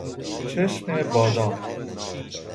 چشم بادام